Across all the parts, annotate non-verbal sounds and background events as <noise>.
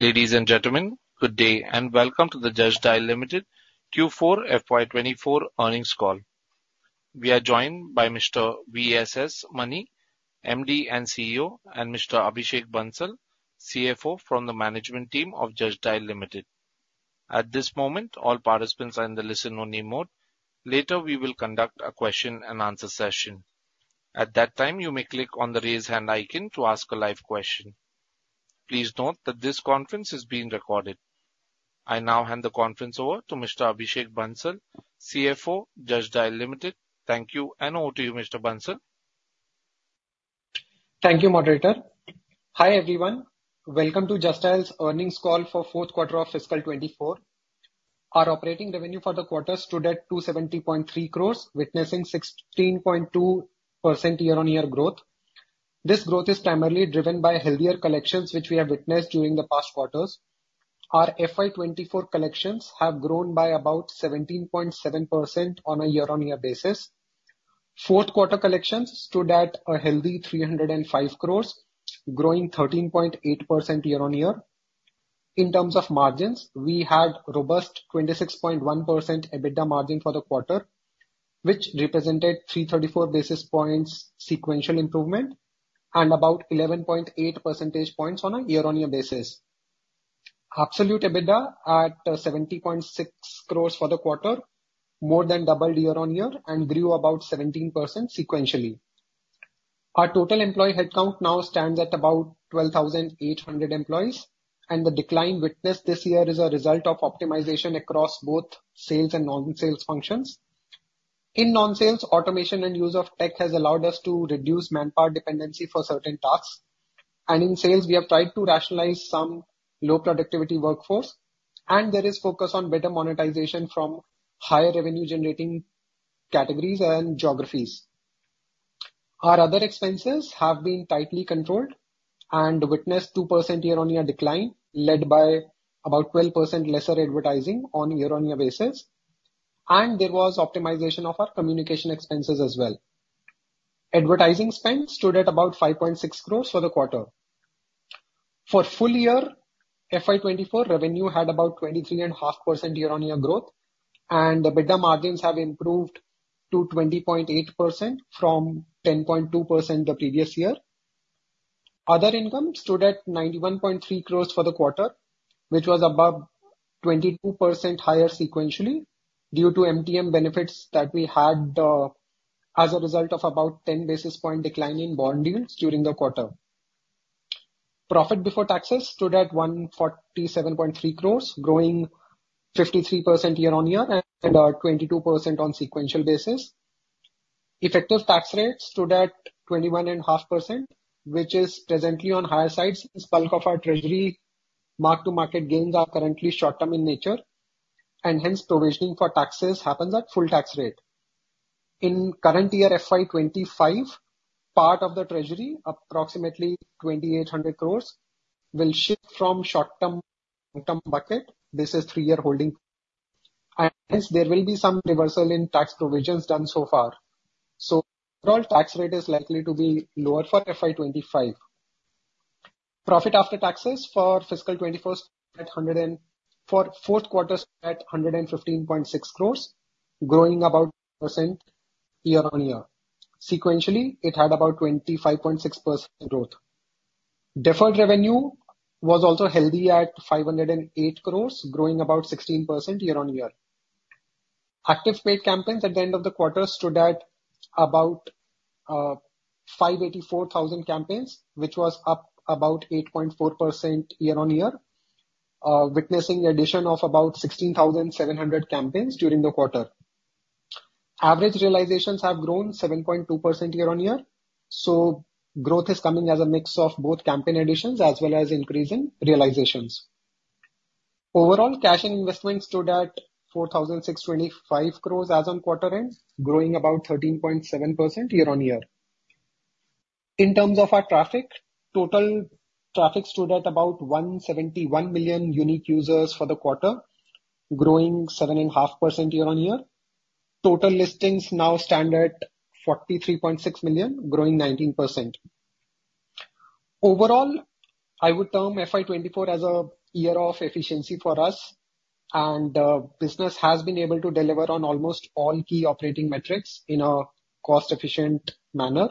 Ladies and gentlemen, good day and welcome to the Just Dial Limited Q4 FY24 Earnings Call. We are joined by Mr. V.S.S. Mani, MD and CEO, and Mr. Abhishek Bansal, CFO from the management team of Just Dial Limited. At this moment, all participants are in the listen-only mode. Later we will conduct a question-and-answer session. At that time you may click on the raise hand icon to ask a live question. Please note that this conference is being recorded. I now hand the conference over to Mr. Abhishek Bansal, CFO Just Dial Limited. Thank you, and over to you, Mr. Bansal. Thank you, Moderator. Hi everyone, welcome to Just Dial's Earnings Call for Q4 of Fiscal 2024. Our operating revenue for the quarter stood at 270.3 crores, witnessing 16.2% year-on-year growth. This growth is primarily driven by healthier collections which we have witnessed during the past quarters. Our FY24 collections have grown by about 17.7% on a year-on-year basis. Q4 collections stood at a healthy 305 crores, growing 13.8% year-on-year. In terms of margins, we had robust 26.1% EBITDA margin for the quarter, which represented 334 basis points sequential improvement and about 11.8 percentage points on a year-on-year basis. Absolute EBITDA at 70.6 crores for the quarter more than doubled year-on-year and grew about 17% sequentially. Our total employee headcount now stands at about 12,800 employees, and the decline witnessed this year is a result of optimization across both sales and non-sales functions. In non-sales, automation and use of tech has allowed us to reduce manpower dependency for certain tasks. And in sales, we have tried to rationalize some low productivity workforce, and there is focus on better monetization from higher revenue-generating categories and geographies. Our other expenses have been tightly controlled and witnessed 2% year-on-year decline led by about 12% lesser advertising on a year-on-year basis. There was optimization of our communication expenses as well. Advertising spend stood at about 5.6 crore for the quarter. For full year, FY24 revenue had about 23.5% year-on-year growth, and the EBITDA margins have improved to 20.8% from 10.2% the previous year. Other income stood at 91.3 crore for the quarter, which was about 22% higher sequentially due to MTM benefits that we had as a result of about 10 basis points decline in bond yields during the quarter. Profit before taxes stood at 147.3 crores, growing 53% year-on-year and 22% on a sequential basis. Effective tax rate stood at 21.5%, which is presently on higher side since bulk of our treasury mark-to-market gains are currently short-term in nature, and hence provisioning for taxes happens at full tax rate. In current year FY25, part of the treasury, approximately 2,800 crores, will shift from short-term to long-term bucket. This is three-year holding. Hence there will be some reversal in tax provisions done so far. Overall tax rate is likely to be lower for FY25. Profit after taxes for FY21 at 100 crore and for Q4 stood at 115.6 crores, growing about 2% year-on-year. Sequentially, it had about 25.6% growth. Deferred revenue was also healthy at 508 crores, growing about 16% year-on-year. Active paid campaigns at the end of the quarter stood at about 584,000 campaigns, which was up about 8.4% year-on-year, witnessing the addition of about 16,700 campaigns during the quarter. Average realizations have grown 7.2% year-on-year, so growth is coming as a mix of both campaign additions as well as increasing realizations. Overall cash and investment stood at 4,625 crores as on quarter-end, growing about 13.7% year-on-year. In terms of our traffic, total traffic stood at about 171 million unique users for the quarter, growing 7.5% year-on-year. Total listings now stand at 43.6 million, growing 19%. Overall, I would term FY24 as a year of efficiency for us, and the business has been able to deliver on almost all key operating metrics in a cost-efficient manner.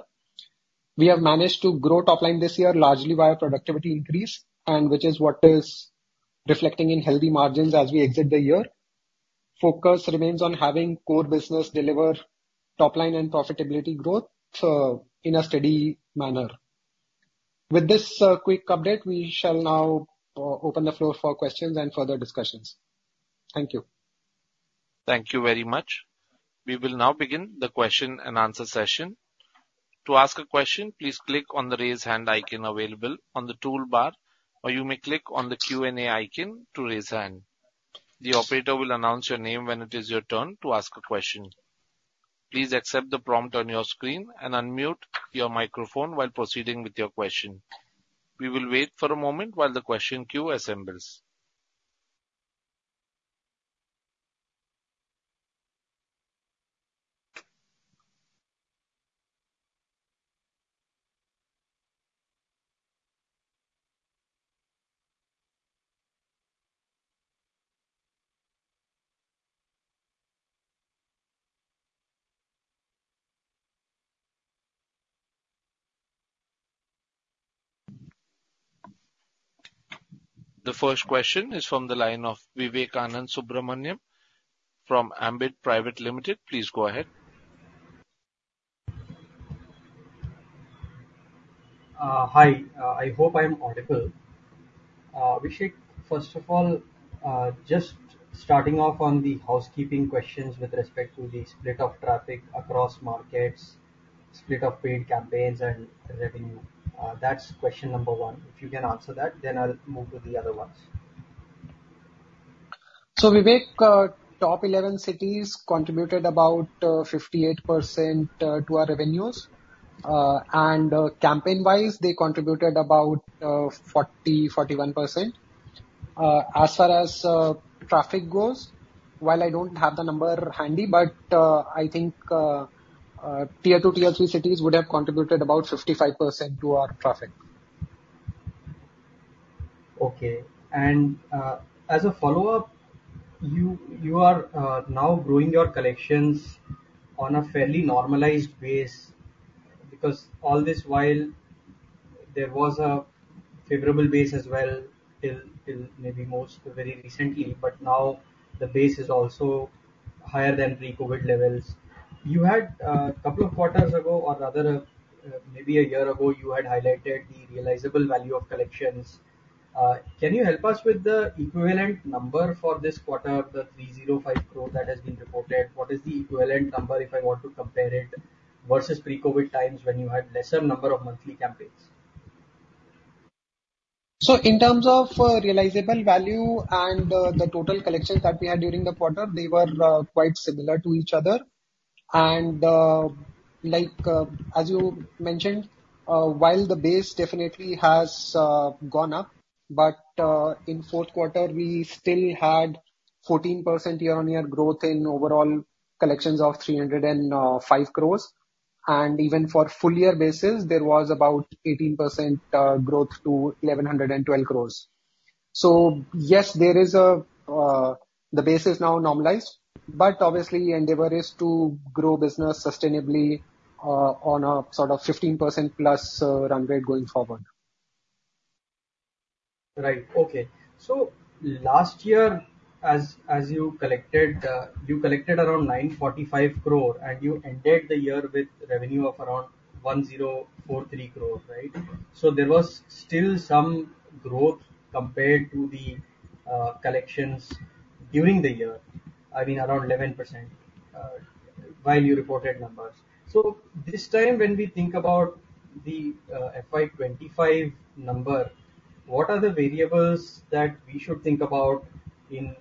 We have managed to grow top-line this year largely via productivity increase, which is what is reflecting in healthy margins as we exit the year. Focus remains on having core business deliver top-line and profitability growth in a steady manner. With this quick update, we shall now open the floor for questions and further discussions. Thank you. Thank you very much. We will now begin the question-and-answer session. To ask a question, please click on the raise hand icon available on the toolbar, or you may click on the Q&A icon to raise hand. The operator will announce your name when it is your turn to ask a question. Please accept the prompt on your screen and unmute your microphone while proceeding with your question. We will wait for a moment while the question queue assembles. The first question is from the line of Vivekanand Subbaraman from Ambit Private Limited. Please go ahead. Hi. I hope I am audible. Abhishek, first of all, just starting off on the housekeeping questions with respect to the split of traffic across markets, split of paid campaigns, and revenue. That's question number one. If you can answer that, then I'll move to the other ones. So Vivek, top 11 cities contributed about 58% to our revenues. Campaign-wise, they contributed about 40%-41%. As far as traffic goes, while I don't have the number handy, but I think Tier 2, Tier 3 cities would have contributed about 55% to our traffic. Okay. As a follow-up, you are now growing your collections on a fairly normalized base because all this while there was a favorable base as well till maybe most very recently, but now the base is also higher than pre-COVID levels. You had a couple of quarters ago, or rather maybe a year ago, you had highlighted the realizable value of collections. Can you help us with the equivalent number for this quarter, the 305 crore that has been reported? What is the equivalent number if I want to compare it versus pre-COVID times when you had a lesser number of monthly campaigns? In terms of realizable value and the total collections that we had during the quarter, they were quite similar to each other. As you mentioned, while the base definitely has gone up, but in Q4, we still had 14% year-on-year growth in overall collections of 305 crores. Even for full-year basis, there was about 18% growth to 1,112 crores. Yes, the base is now normalized, but obviously, the endeavor is to grow business sustainably on a sort of 15%+ run rate going forward. Right. Okay. So last year, as you collected, you collected around 945 crore, and you ended the year with revenue of around 1,043 crore, right? So there was still some growth compared to the collections during the year, I mean, around 11% while you reported numbers. So this time when we think about the FY25 number, what are the variables that we should think about in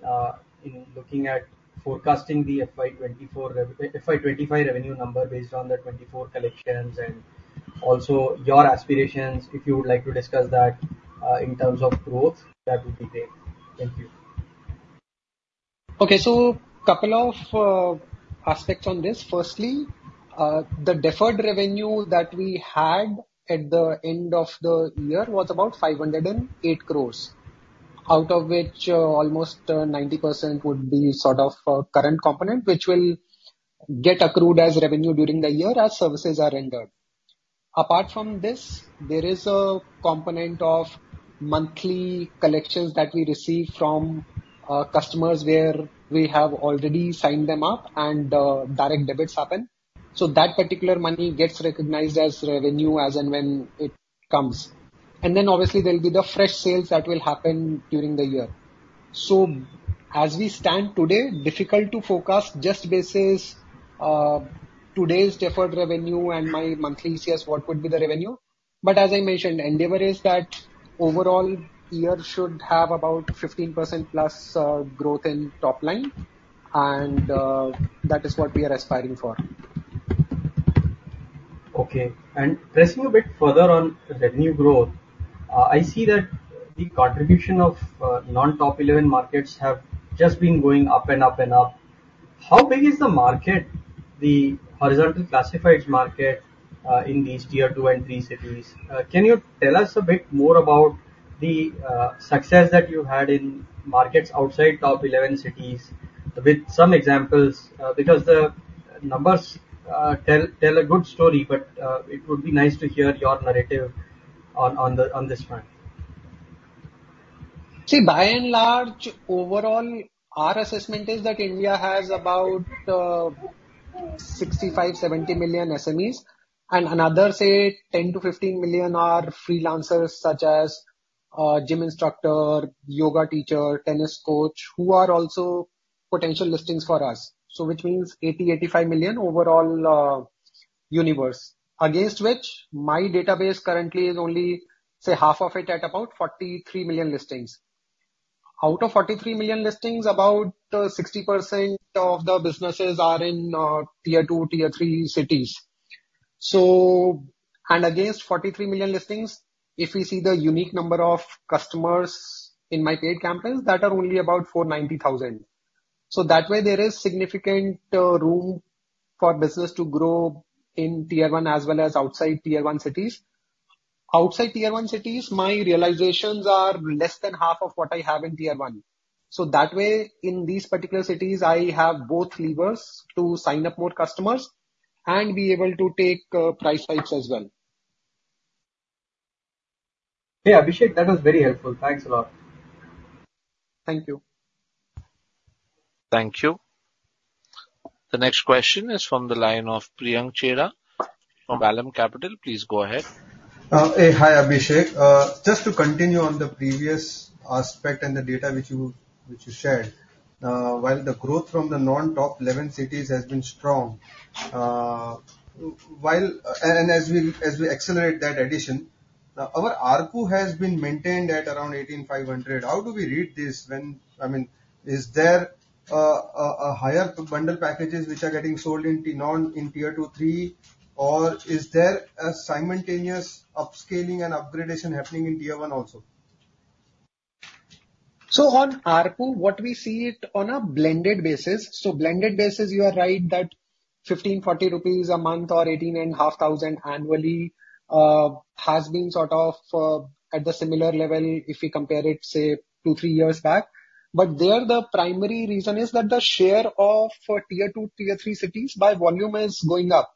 looking at forecasting the FY25 revenue number based on the 2024 collections and also your aspirations if you would like to discuss that in terms of growth? That would be great. Thank you. Okay. So a couple of aspects on this. Firstly, the deferred revenue that we had at the end of the year was about 508 crore, out of which almost 90% would be sort of current component, which will get accrued as revenue during the year as services are rendered. Apart from this, there is a component of monthly collections that we receive from customers where we have already signed them up and direct debits happen. So that particular money gets recognized as revenue as and when it comes. And then obviously, there will be the fresh sales that will happen during the year. So as we stand today, difficult to forecast just based on today's deferred revenue and my monthly ECS, what would be the revenue. But as I mentioned, the endeavor is that overall year should have about 15%+ growth in top line, and that is what we are aspiring for. Okay. Pressing a bit further on revenue growth, I see that the contribution of non-top 11 markets has just been going up and up and up. How big is the market, the horizontal classifieds market in these tier two and three cities? Can you tell us a bit more about the success that you had in markets outside top 11 cities with some examples? Because the numbers tell a good story, but it would be nice to hear your narrative on this front. See, by and large, overall, our assessment is that India has about 65 to 70 million SMEs, and another, say, 10 to 15 million are freelancers such as gym instructor, yoga teacher, tennis coach, who are also potential listings for us, which means 80 to 85 million overall universe, against which my database currently is only, say, half of it at about 43 million listings. Out of 43 million listings, about 60% of the businesses are in Tier 2, Tier 3 cities. And against 43 million listings, if we see the unique number of customers in my paid campaigns, that are only about 490,000. So that way, there is significant room for business to grow in Tier 1 as well as outside Tier 1 cities. Outside Tier 1 cities, my realizations are less than half of what I have in Tier 1. That way, in these particular cities, I have both levers to sign up more customers and be able to take price hikes as well. Yeah, Abhishek, that was very helpful. Thanks a lot. Thank you. Thank you. The next question is from the line of Priyank Chheda from Vallum Capital. Please go ahead. Hi, Abhishek. Just to continue on the previous aspect and the data which you shared, while the growth from the non-top 11 cities has been strong, and as we accelerate that addition, our RPU has been maintained at around 18,500. How do we read this when I mean, is there a higher bundle packages which are getting sold in Tier 2, 3, or is there a simultaneous upscaling and upgradation happening in Tier 1 also? On RPU, what we see it on a blended basis. Blended basis, you are right that 1,540 rupees a month or 18,500 annually has been sort of at a similar level if we compare it, say, two, three years back. But the primary reason is that the share of Tier 2, Tier 3 cities by volume is going up.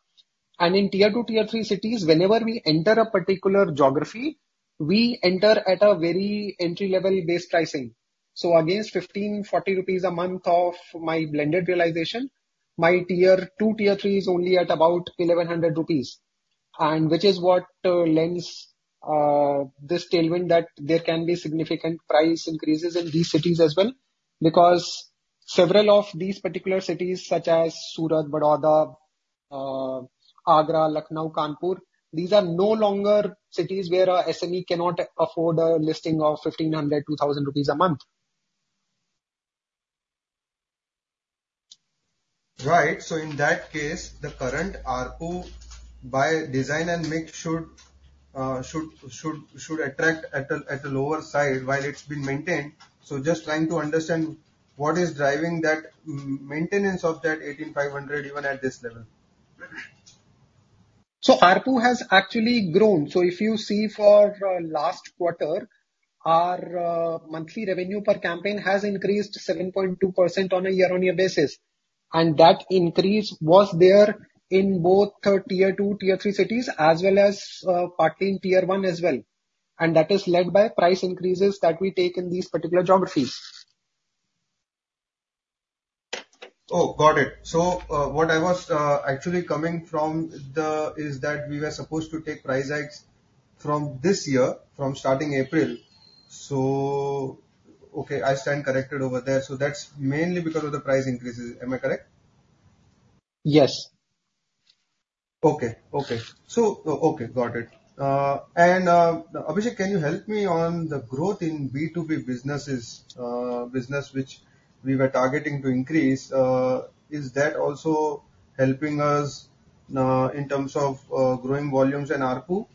And in Tier 2, Tier 3 cities, whenever we enter a particular geography, we enter at a very entry-level base pricing. Against 1,540 rupees a month of my blended realization, my Tier 2, Tier 3 is only at about 1,100 rupees, which is what lends this tailwind that there can be significant price increases in these cities as well because several of these particular cities such as Surat, Baroda, Agra, Lucknow, Kanpur, these are no longer cities where an SME cannot afford a listing of 1,500 rupees to 2,000 rupees a month. Right. So in that case, the current RPU by design and mix should attract at a lower side while it's been maintained. So just trying to understand what is driving that maintenance of that 18,500 even at this level. RPU has actually grown. If you see for last quarter, our monthly revenue per campaign has increased 7.2% on a year-on-year basis. That increase was there in both Tier 2, Tier 3 cities as well as partly in Tier 1 as well. That is led by price increases that we take in these particular geographies. Oh, got it. So what I was actually coming from is that we were supposed to take price hikes from this year, from starting April. So okay, I stand corrected over there. So that's mainly because of the price increases. Am I correct? Yes. Okay. Okay. So okay, got it. And Abhishek, can you help me on the growth in B2B businesses, business which we were targeting to increase? Is that also helping us in terms of growing volumes and RPU?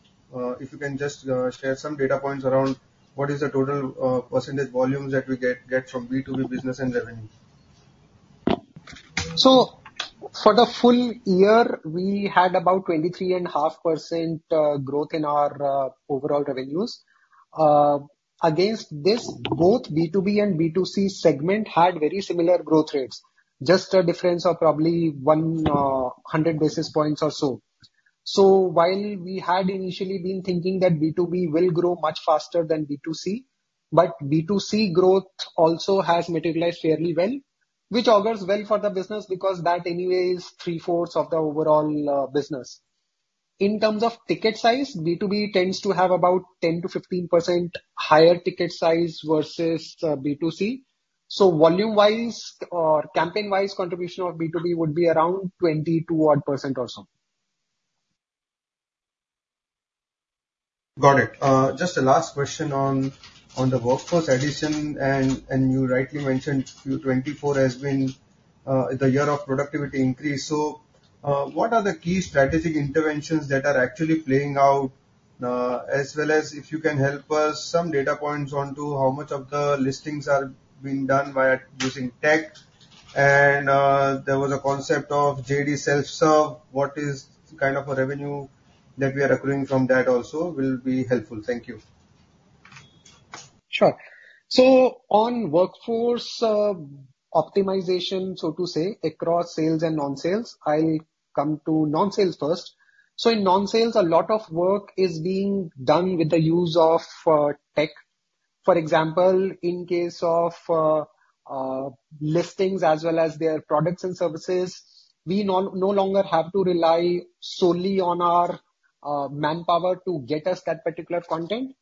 If you can just share some data points around what is the total percentage volumes that we get from B2B business and revenue. So for the full year, we had about 23.5% growth in our overall revenues. Against this, both B2B and B2C segment had very similar growth rates, just a difference of probably 100 basis points or so. So while we had initially been thinking that B2B will grow much faster than B2C, but B2C growth also has materialized fairly well, which augurs well for the business because that anyway is 3/4 of the overall business. In terms of ticket size, B2B tends to have about 10% to 15% higher ticket size versus B2C. So volume-wise or campaign-wise, contribution of B2B would be around 22-odd% or so. Got it. Just a last question on the workforce addition. And you rightly mentioned 2024 has been the year of productivity increase. So what are the key strategic interventions that are actually playing out as well as if you can help us some data points onto how much of the listings are being done by using tech? And there was a concept of JD Self-Serve. What is kind of a revenue that we are accruing from that also will be helpful? Thank you. Sure. So on workforce optimization, so to say, across sales and non-sales, I'll come to non-sales first. So in non-sales, a lot of work is being done with the use of tech. For example, in case of listings as well as their products and services, we no longer have to rely solely on our manpower to get us that particular content.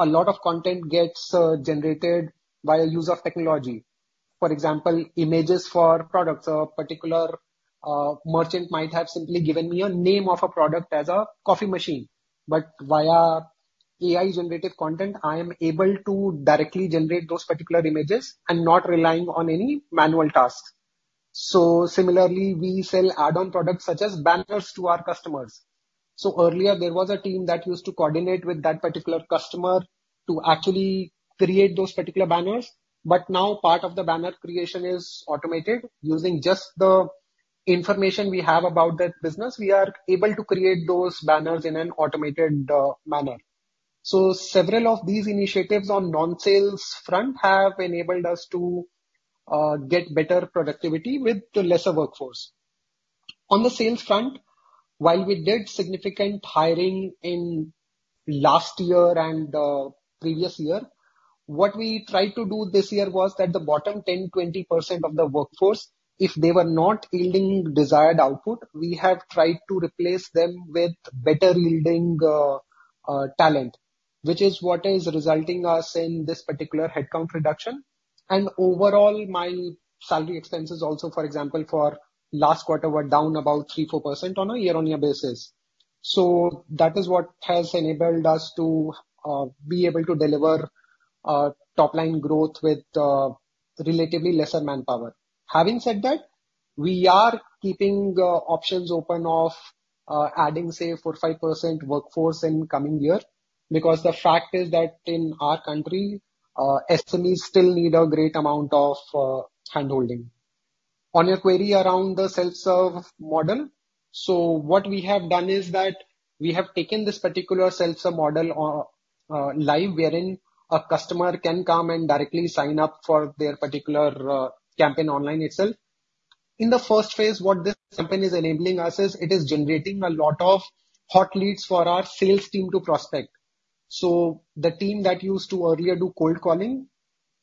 A lot of content gets generated via use of technology. For example, images for products. A particular merchant might have simply given me a name of a product as a coffee machine. But via AI-generated content, I am able to directly generate those particular images and not relying on any manual tasks. So similarly, we sell add-on products such as banners to our customers. So earlier, there was a team that used to coordinate with that particular customer to actually create those particular banners. But now part of the banner creation is automated. Using just the information we have about that business, we are able to create those banners in an automated manner. So several of these initiatives on non-sales front have enabled us to get better productivity with lesser workforce. On the sales front, while we did significant hiring last year and previous year, what we tried to do this year was that the bottom 10% to 20% of the workforce, if they were not yielding desired output, we have tried to replace them with better-yielding talent, which is what is resulting in this particular headcount reduction. And overall, my salary expenses also, for example, for last quarter were down about 3% to 4% on a year-on-year basis. So that is what has enabled us to be able to deliver top-line growth with relatively lesser manpower. Having said that, we are keeping options open of adding, say, 4% to 5% workforce in coming year because the fact is that in our country, SMEs still need a great amount of handholding. On your query around the self-serve model, so what we have done is that we have taken this particular self-serve model live wherein a customer can come and directly sign up for their particular campaign online itself. In the first phase, what this campaign is enabling us is it is generating a lot of hot leads for our sales team to prospect. So the team that used to earlier do cold calling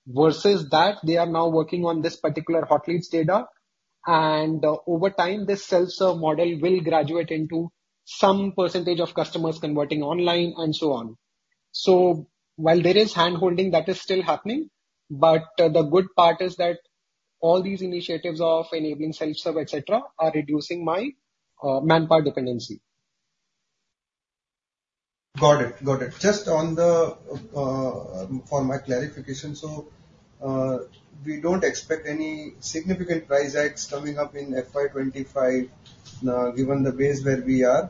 versus that, they are now working on this particular hot leads data. And over time, this self-serve model will graduate into some percentage of customers converting online and so on. So while there is handholding, that is still happening. But the good part is that all these initiatives of enabling self-serve, etc., are reducing my manpower dependency. Got it. Got it. Just for my clarification, so we don't expect any significant price hikes coming up in FY25 given the base where we are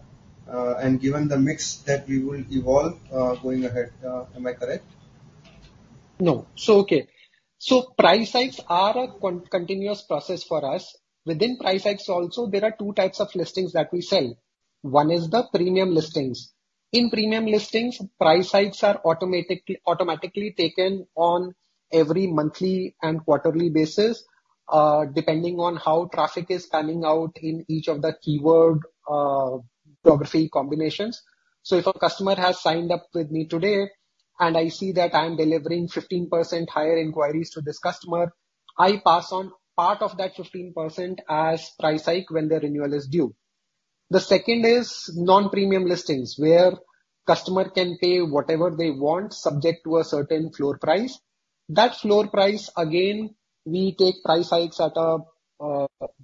and given the mix that we will evolve going ahead. Am I correct? No. So, okay. So price hikes are a continuous process for us. Within price hikes also, there are two types of listings that we sell. One is the premium listings. In premium listings, price hikes are automatically taken on every monthly and quarterly basis depending on how traffic is panning out in each of the keyword geography combinations. So if a customer has signed up with me today and I see that I'm delivering 15% higher inquiries to this customer, I pass on part of that 15% as price hike when the renewal is due. The second is non-premium listings where customer can pay whatever they want subject to a certain floor price. That floor price, again, we take price hikes at a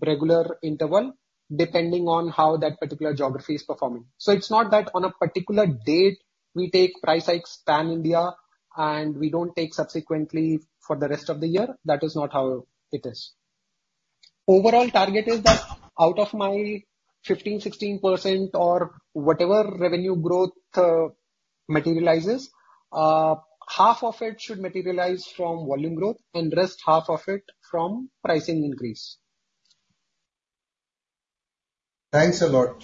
regular interval depending on how that particular geography is performing. It's not that on a particular date, we take price hikes pan-India and we don't take subsequently for the rest of the year. That is not how it is. Overall target is that out of my 15% to 16% or whatever revenue growth materializes, half of it should materialize from volume growth and rest half of it from pricing increase. Thanks a lot.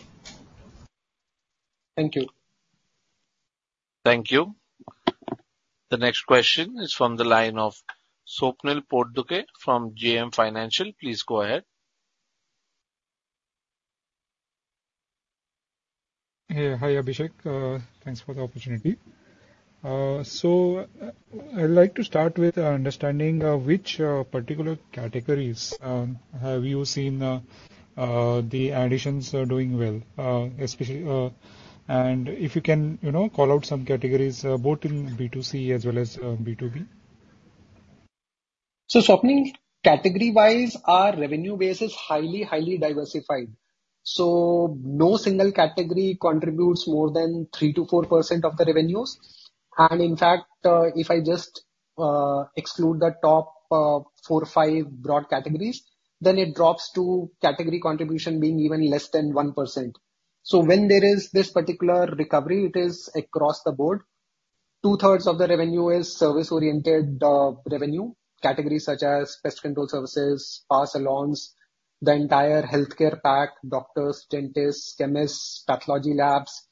Thank you. Thank you. The next question is from the line of Swapnil Potdukhe from JM Financial. Please go ahead. Yeah. Hi, Abhishek. Thanks for the opportunity. I'd like to start with understanding which particular categories have you seen the additions doing well, especially and if you can call out some categories both in B2C as well as B2B. So Swapnil, category-wise, our revenue base is highly, highly diversified. No single category contributes more than 3% to 4% of the revenues. And in fact, if I just exclude the top four, five broad categories, then it drops to category contribution being even less than 1%. So when there is this particular recovery, it is across the board. Two-thirds of the revenue is service-oriented revenue categories such as pest control services, pass-alongs, the entire healthcare pack, doctors, dentists, chemists, pathology labs,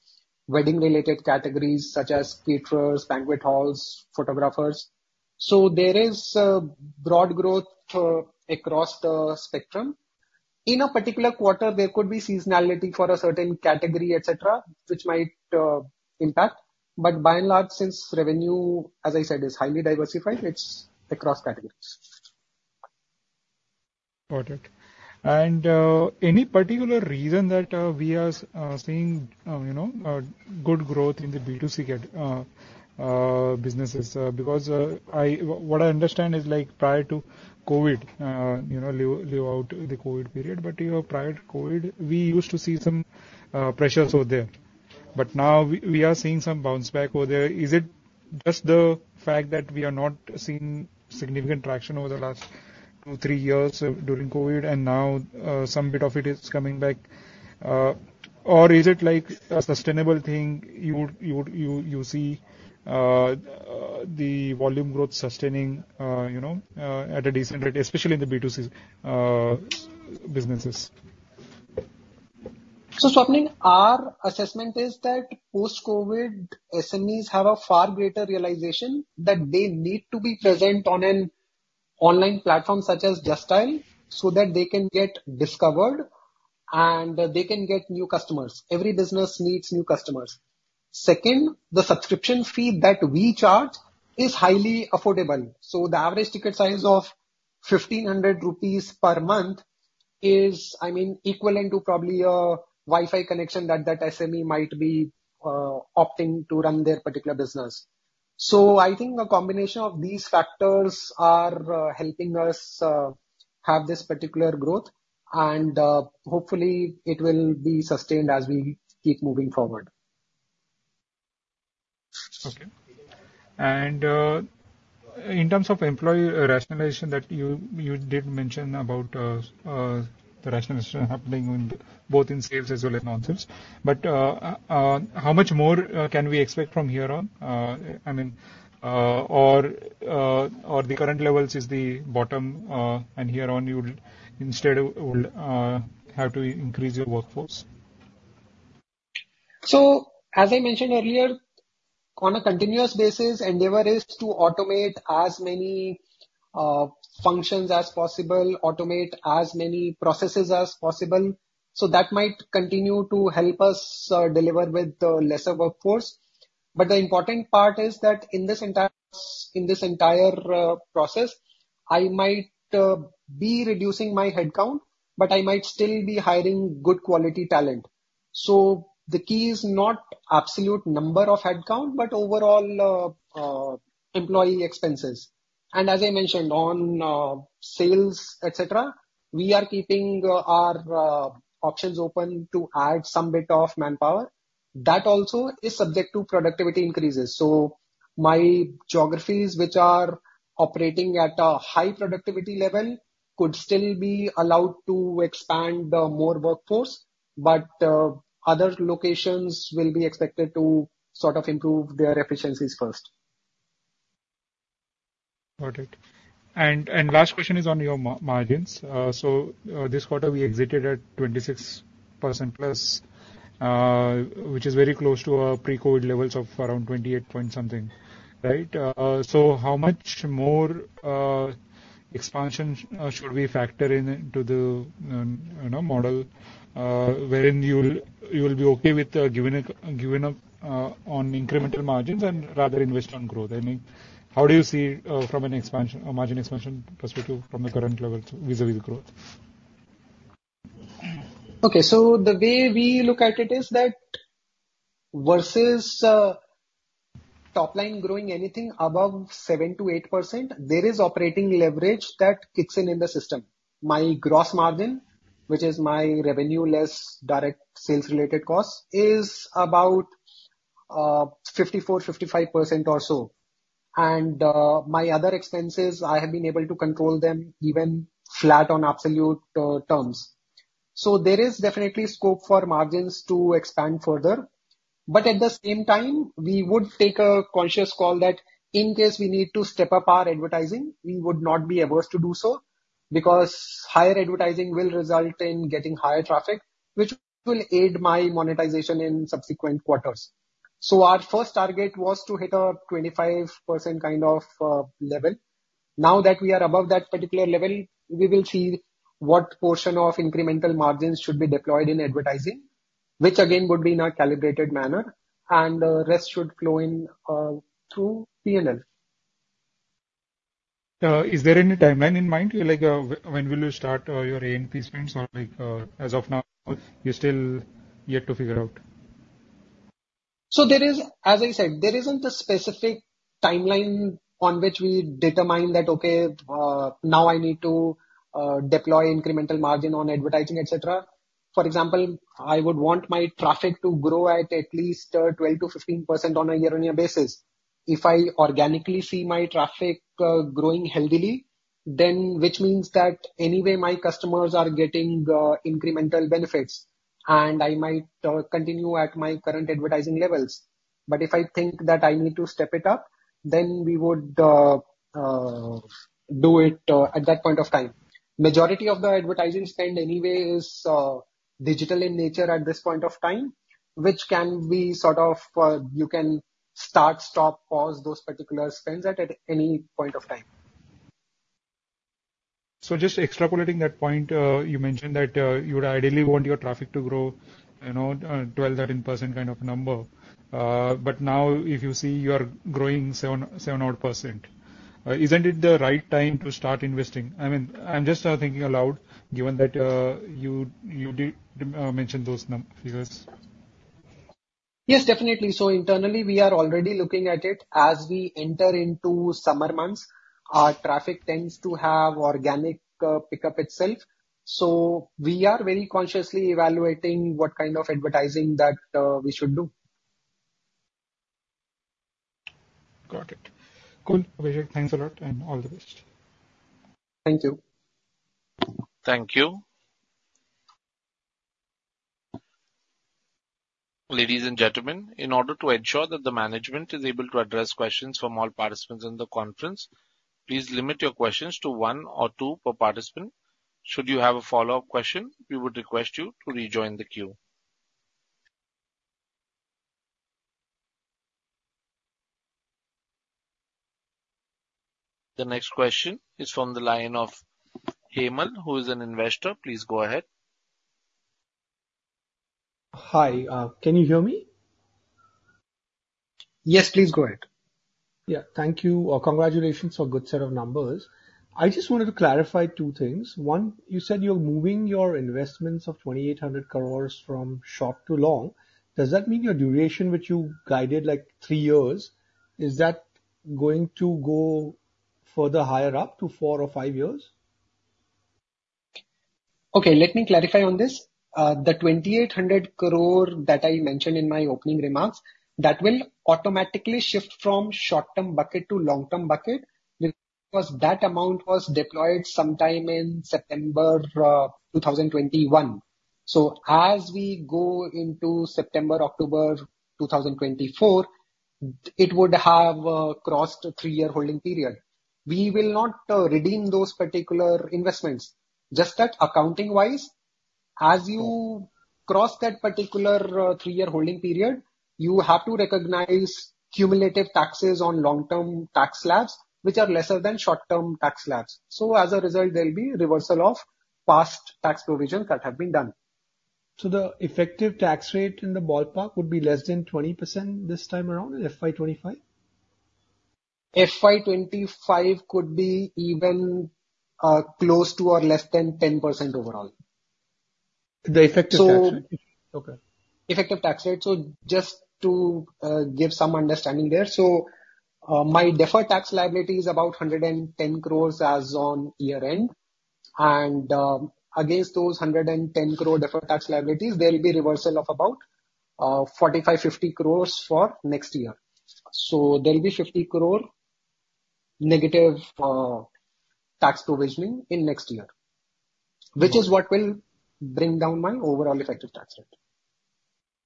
wedding-related categories such as caterers, banquet halls, photographers. So there is broad growth across the spectrum. In a particular quarter, there could be seasonality for a certain category, etc., which might impact. But by and large, since revenue, as I said, is highly diversified, it's across categories. Got it. Any particular reason that we are seeing good growth in the B2C businesses? Because what I understand is prior to COVID, lived out the COVID period. But prior to COVID, we used to see some pressures over there. But now we are seeing some bounce back over there. Is it just the fact that we are not seeing significant traction over the last two, three years during COVID and now some bit of it is coming back? Or is it a sustainable thing you see the volume growth sustaining at a decent rate, especially in the B2C businesses? So Swapnil, our assessment is that post-COVID, SMEs have a far greater realization that they need to be present on an online platform such as Just Dial so that they can get discovered and they can get new customers. Every business needs new customers. Second, the subscription fee that we charge is highly affordable. So the average ticket size of 1,500 rupees per month is, I mean, equivalent to probably a Wi-Fi connection that that SME might be opting to run their particular business. So I think a combination of these factors are helping us have this particular growth. Hopefully, it will be sustained as we keep moving forward. Okay. In terms of employee rationalization that you did mention about the rationalization happening both in sales as well as non-sales, but how much more can we expect from here on? I mean, or the current levels is the bottom and here on, instead, would have to increase your workforce? So as I mentioned earlier, on a continuous basis, endeavor is to automate as many functions as possible, automate as many processes as possible. So that might continue to help us deliver with lesser workforce. But the important part is that in this entire process, I might be reducing my headcount, but I might still be hiring good quality talent. So the key is not absolute number of headcount, but overall employee expenses. And as I mentioned, on sales, etc., we are keeping our options open to add some bit of manpower. That also is subject to productivity increases. So my geographies, which are operating at a high productivity level, could still be allowed to expand more workforce, but other locations will be expected to sort of improve their efficiencies first. Got it. And last question is on your margins. So this quarter, we exited at 26% plus, which is very close to pre-COVID levels of around 28 point something, right? So how much more expansion should we factor into the model wherein you will be okay with giving up on incremental margins and rather invest on growth? I mean, how do you see from a margin expansion perspective from the current level vis-à-vis growth? Okay. So the way we look at it is that versus top-line growing anything above 7% to 8%, there is operating leverage that kicks in in the system. My gross margin, which is my revenue-less direct sales-related cost, is about 54% to 55% or so. My other expenses, I have been able to control them even flat on absolute terms. There is definitely scope for margins to expand further. But at the same time, we would take a conscious call that in case we need to step up our advertising, we would not be averse to do so because higher advertising will result in getting higher traffic, which will aid my monetization in subsequent quarters. Our first target was to hit a 25% kind of level. Now that we are above that particular level, we will see what portion of incremental margins should be deployed in advertising, which again would be in a calibrated manner. The rest should flow in through P&L. Is there any timeline in mind? When will you start your reinforcements? Or as of now, you're still yet to figure out? So as I said, there isn't a specific timeline on which we determine that, "Okay, now I need to deploy incremental margin on advertising," etc. For example, I would want my traffic to grow at least 12% to 15% on a year-on-year basis. If I organically see my traffic growing healthily, then which means that anyway, my customers are getting incremental benefits. And I might continue at my current advertising levels. But if I think that I need to step it up, then we would do it at that point of time. Majority of the advertising spend anyway is digital in nature at this point of time, which can be sort of you can start, stop, pause those particular spends at any point of time. So just extrapolating that point, you mentioned that you would ideally want your traffic to grow 12% to 13% kind of number. But now if you see you are growing 7% odd, isn't it the right time to start investing? I mean, I'm just thinking aloud given that you did mention those figures. Yes, definitely. So internally, we are already looking at it. As we enter into summer months, our traffic tends to have organic pickup itself. So we are very consciously evaluating what kind of advertising that we should do. Got it. Cool. Abhishek, thanks a lot and all the best. Thank you. Thank you. Ladies and gentlemen, in order to ensure that the management is able to address questions from all participants in the conference, please limit your questions to one or two per participant. Should you have a follow-up question, we would request you to rejoin the queue. The next question is from the line of Hemal, who is an investor. Please go ahead. Hi. Can you hear me? Yes, please go ahead. Yeah. Thank you or congratulations for a good set of numbers. I just wanted to clarify two things. One, you said you're moving your investments of 2,800 crore from short to long. Does that mean your duration, which you guided like three years, is that going to go further higher up to four or five years? Okay. Let me clarify on this. The 2,800 crore that I mentioned in my opening remarks, that will automatically shift from short-term bucket to long-term bucket because that amount was deployed sometime in September 2021. So as we go into September, October 2024, it would have crossed a three-year holding period. We will not redeem those particular investments. Just that accounting-wise, as you cross that particular three-year holding period, you have to recognize cumulative taxes on long-term tax slabs, which are lesser than short-term tax slabs. So as a result, there'll be reversal of past tax provisions that have been done. The effective tax rate in the ballpark would be less than 20% this time around, FY25? FY25 could be even close to or less than 10% overall. The effective tax rate? Okay. Effective tax rate. So just to give some understanding there. So my deferred tax liability is about 110 crore as on year-end. And against those 110 crore deferred tax liabilities, there'll be reversal of about 45 to 50 crore for next year. So there'll be 50 crore negative tax provisioning in next year, which is what will bring down my overall effective tax rate.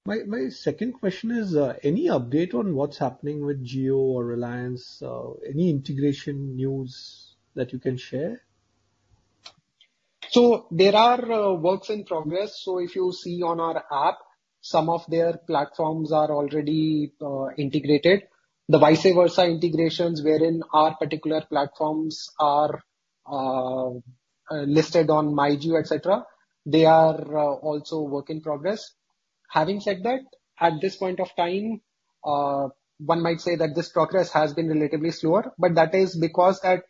My second question is, any update on what's happening with Jio or Reliance, any integration news that you can share? There are works in progress. If you see on our app, some of their platforms are already integrated. The vice versa integrations wherein our particular platforms are listed on MyJio, etc., they are also work in progress. Having said that, at this point of time, one might say that this progress has been relatively slower. But that is because that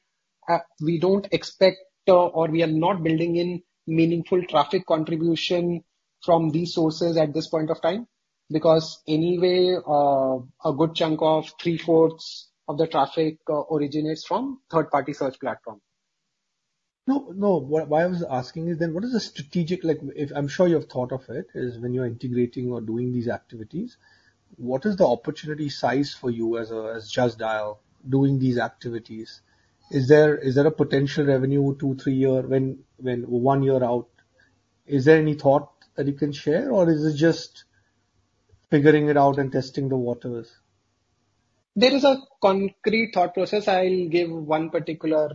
we don't expect or we are not building in meaningful traffic contribution from these sources at this point of time because anyway, a good chunk of three-fourths of the traffic originates from third-party search platforms. No, no. What I was asking is then, what is the strategic if I'm sure you've thought of it, is when you're integrating or doing these activities, what is the opportunity size for you as Just Dial doing these activities? Is there a potential revenue two, three year when one year out? Is there any thought that you can share, or is it just figuring it out and testing the waters? There is a concrete thought process. I'll give one particular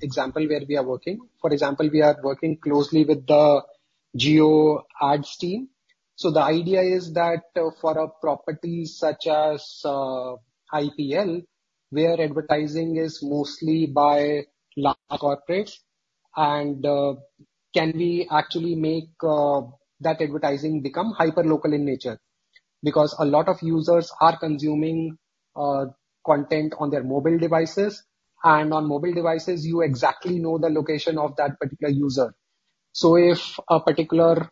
example where we are working. For example, we are working closely with the JioAds team. So the idea is that for a property such as IPL, where advertising is mostly by large corporates, can we actually make that advertising become hyperlocal in nature? Because a lot of users are consuming content on their mobile devices. And on mobile devices, you exactly know the location of that particular user. So if a particular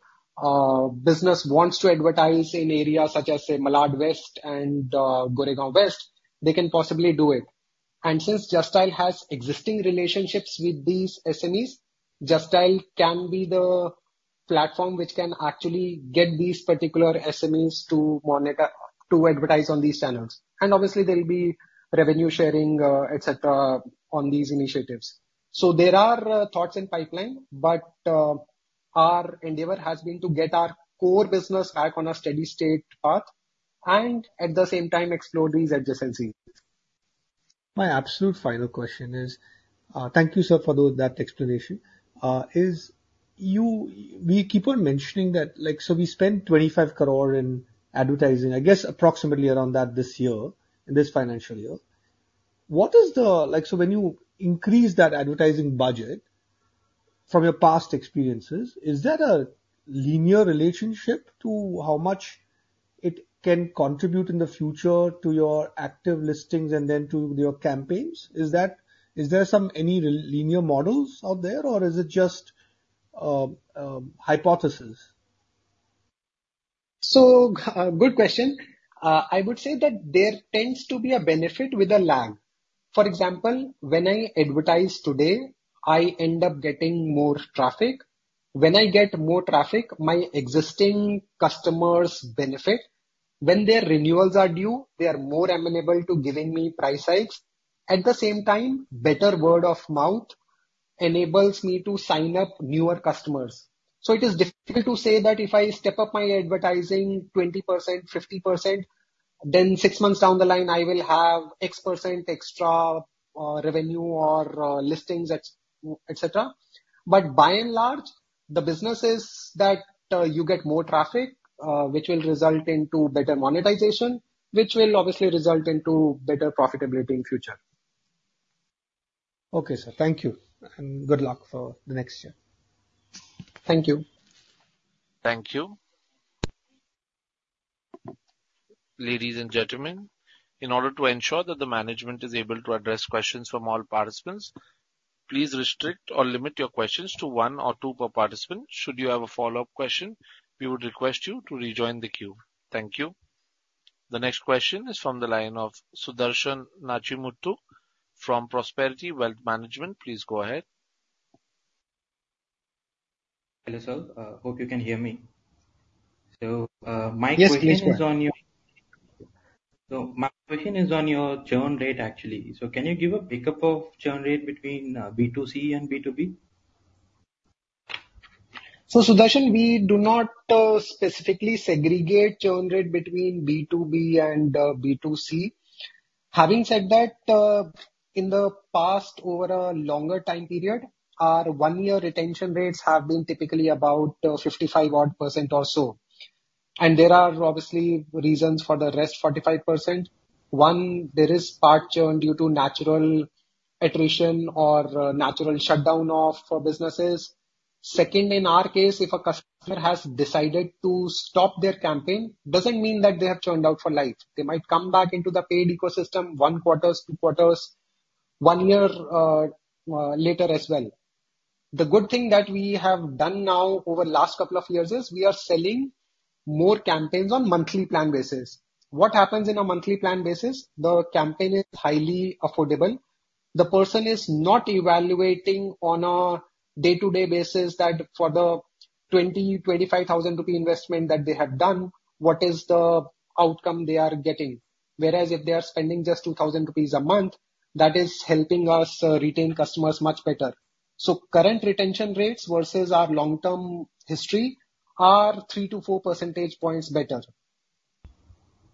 business wants to advertise in areas such as, say, Malad West and Goregaon West, they can possibly do it. And since Just Dial has existing relationships with these SMEs, Just Dial can be the platform which can actually get these particular SMEs to advertise on these channels. And obviously, there'll be revenue sharing, etc., on these initiatives. There are thoughts in pipeline, but our endeavor has been to get our core business back on a steady-state path and at the same time, explore these adjacencies. My absolute final question is, thank you, sir, for that explanation. We keep on mentioning that, so we spend 25 crore in advertising, I guess, approximately around that this year, in this financial year. What is the, so when you increase that advertising budget from your past experiences, is that a linear relationship to how much it can contribute in the future to your active listings and then to your campaigns? Is there any linear models out there, or is it just a hypothesis? So good question. I would say that there tends to be a benefit with a lag. For example, when I advertise today, I end up getting more traffic. When I get more traffic, my existing customers benefit. When their renewals are due, they are more amenable to giving me price hikes. At the same time, better word of mouth enables me to sign up newer customers. So it is difficult to say that if I step up my advertising 20%, 50%, then six months down the line, I will have X% extra revenue or listings, etc. But by and large, the business is that you get more traffic, which will result into better monetization, which will obviously result into better profitability in future. Okay, sir. Thank you. Good luck for the next year. Thank you. Thank you. Ladies and gentlemen, in order to ensure that the management is able to address questions from all participants, please restrict or limit your questions to one or two per participant. Should you have a follow-up question, we would request you to rejoin the queue. Thank you. The next question is from the line of Sudharshan Nachimuthu from Prosperity Wealth Management. Please go ahead. Hello, sir. Hope you can hear me. So my question is on your churn rate, actually. So can you give a breakup of churn rate between B2C and B2B? So Sudarshan, we do not specifically segregate churn rate between B2B and B2C. Having said that, in the past, over a longer time period, our one-year retention rates have been typically about 55-odd% or so. And there are obviously reasons for the rest 45%. One, there is part churn due to natural attrition or natural shutdown of businesses. Second, in our case, if a customer has decided to stop their campaign, it doesn't mean that they have churned out for life. They might come back into the paid ecosystem one quarter, two quarters, one year later as well. The good thing that we have done now over the last couple of years is we are selling more campaigns on monthly plan basis. What happens in a monthly plan basis? The campaign is highly affordable. The person is not evaluating on a day-to-day basis that for the 20,000 to 25,000 rupee investment that they have done, what is the outcome they are getting. Whereas if they are spending just 2,000 rupees a month, that is helping us retain customers much better. So current retention rates versus our long-term history are 3% to 4% points better.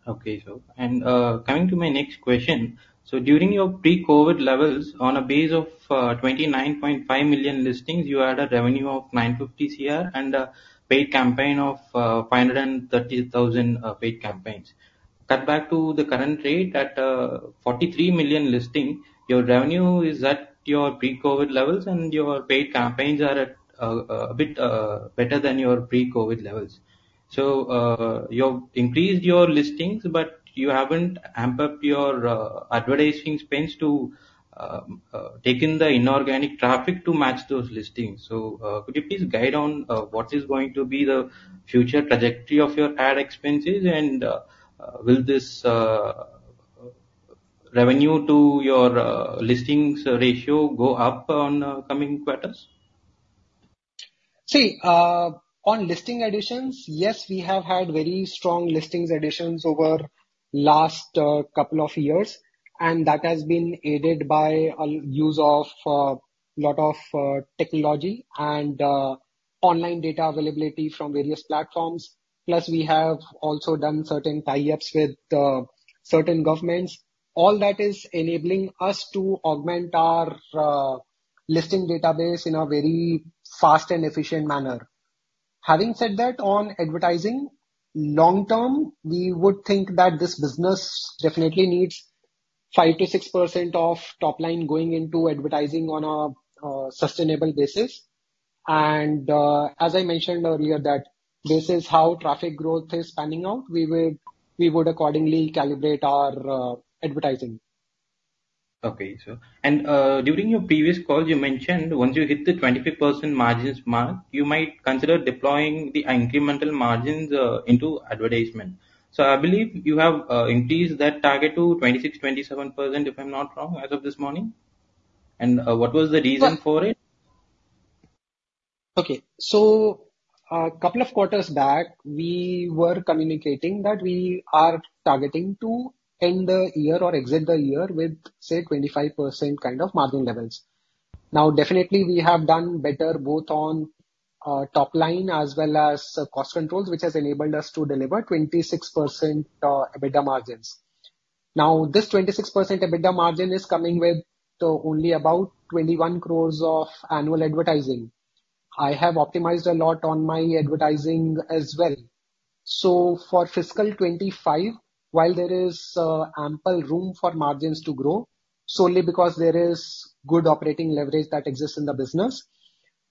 Okay, sir. Coming to my next question, so during your pre-COVID levels, on a base of 29.5 million listings, you had a revenue of 950 crore and a paid campaign of 530,000 paid campaigns. Cut back to the current rate, at 43 million listings, your revenue is at your pre-COVID levels, and your paid campaigns are a bit better than your pre-COVID levels. So you've increased your listings, but you haven't amped up your advertising spends to take in the inorganic traffic to match those listings. So could you please guide on what is going to be the future trajectory of your ad expenses, and will this revenue to your listings ratio go up on coming quarters? See, on listing additions, yes, we have had very strong listings additions over the last couple of years. That has been aided by the use of a lot of technology and online data availability from various platforms. Plus, we have also done certain tie-ups with certain governments. All that is enabling us to augment our listing database in a very fast and efficient manner. Having said that, on advertising, long-term, we would think that this business definitely needs 5% to 6% of top line going into advertising on a sustainable basis. As I mentioned earlier, that this is how traffic growth is panning out. We would accordingly calibrate our advertising. Okay, sir. And during your previous call, you mentioned once you hit the 25% margins mark, you might consider deploying the incremental margins into advertisement. So I believe you have increased that target to 26% to 27%, if I'm not wrong, as of this morning. And what was the reason for it? Okay. So a couple of quarters back, we were communicating that we are targeting to end the year or exit the year with, say, 25% kind of margin levels. Now, definitely, we have done better both on top line as well as cost controls, which has enabled us to deliver 26% EBITDA margins. Now, this 26% EBITDA margin is coming with only about 21 crore of annual advertising. I have optimized a lot on my advertising as well. So for fiscal 2025, while there is ample room for margins to grow solely because there is good operating leverage that exists in the business,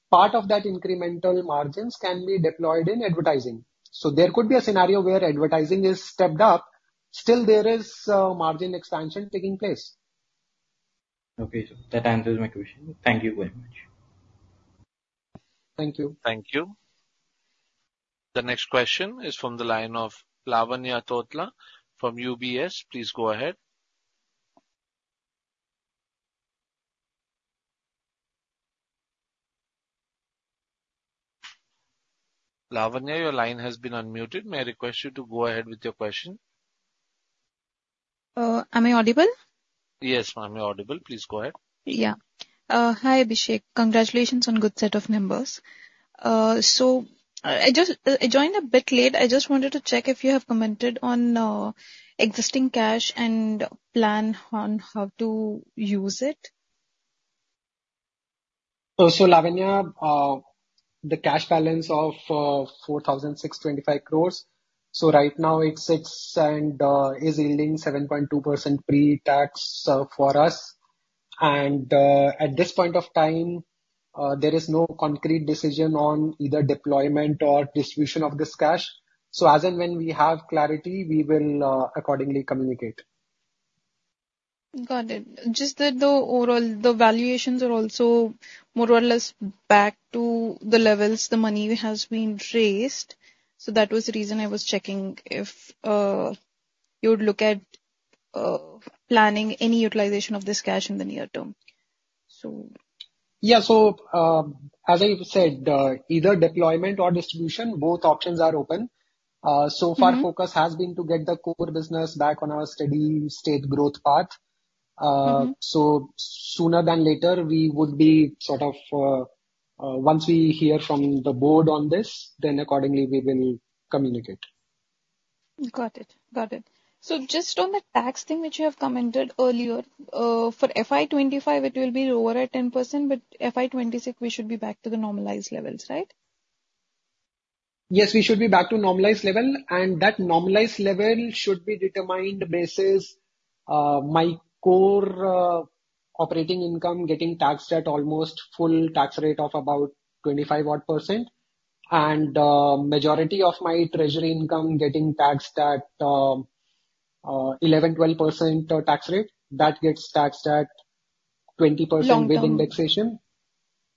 part of that incremental margins can be deployed in advertising. So there could be a scenario where advertising is stepped up. Still, there is margin expansion taking place. Okay, sir. That answers my question. Thank you very much. Thank you. Thank you. The next question is from the line of Lavanya Tottala from UBS. Please go ahead. Lavanya, your line has been unmuted. May I request you to go ahead with your question? Am I audible? Yes, ma'am, you're audible. Please go ahead. Yeah. Hi, Abhishek. Congratulations on a good set of numbers. I joined a bit late. I just wanted to check if you have commented on existing cash and plan on how to use it. So Lavanya, the cash balance of 4,625 crores, so right now, it sits and is yielding 7.2% pre-tax for us. And at this point of time, there is no concrete decision on either deployment or distribution of this cash. So as and when we have clarity, we will accordingly communicate. Got it. Just that the overall valuations are also more or less back to the levels the money has been raised. So that was the reason I was checking if you would look at planning any utilization of this cash in the near term, so. Yeah. So as I said, either deployment or distribution, both options are open. So far, focus has been to get the core business back on our steady-state growth path. So sooner than later, we would be sort of once we hear from the board on this, then accordingly, we will communicate. Got it. Got it. So just on the tax thing which you have commented earlier, for FY25, it will be lower at 10%, but FY26, we should be back to the normalized levels, right? Yes, we should be back to normalized level. That normalized level should be determined based on my core operating income getting taxed at almost full tax rate of about 25% odd and majority of my treasury income getting taxed at 11% to 12% tax rate. That gets taxed at 20% with indexation.